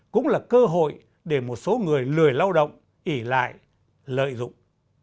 cũng là cơ hội để một số người lười lao động ỉ lại lợi dụng